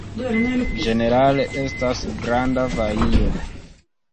Ĝenerale estas granda vario.